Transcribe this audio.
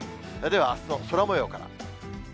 では、あすの空もようから。